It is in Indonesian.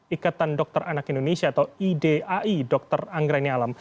ikatan dokter anak indonesia atau idai dr anggreni alam